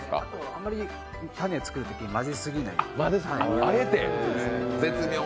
あんまり種を作るとき混ぜすぎない。